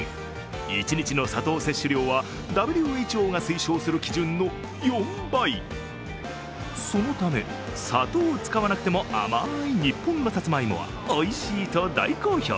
一日の砂糖摂取量はＷＨＯが推奨する基準の４倍そのため、砂糖を使わなくても甘い日本のさつまいもはおいしいと大好評。